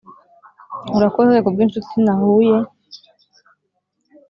urakoze kubwinshuti nahuye